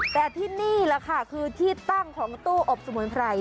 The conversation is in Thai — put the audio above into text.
แต่ที่นี่แหละค่ะคือที่ตั้งของตู้อบสมุนไพร